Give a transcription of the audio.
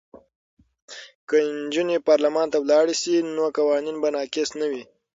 که نجونې پارلمان ته لاړې شي نو قوانین به ناقص نه وي.